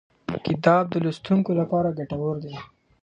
کتاب د لوستونکو لپاره ګټور دی.